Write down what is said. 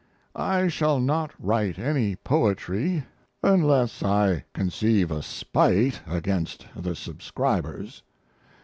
I shall not write any poetry unless I conceive a spite against the subscribers.